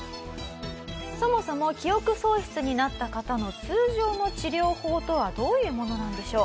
そもそも記憶喪失になった方の通常の治療法とはどういうものなんでしょう？